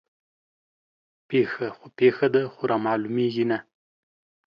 پيښه خو پيښه ده خو رامعلومېږي نه